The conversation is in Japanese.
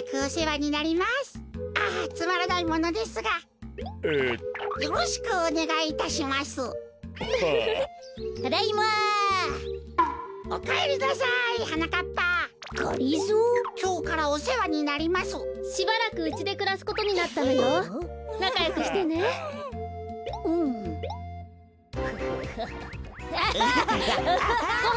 ごはんよ！